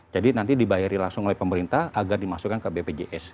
nanti dibayari langsung oleh pemerintah agar dimasukkan ke bpjs